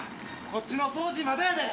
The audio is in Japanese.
こっちの掃除まだやで！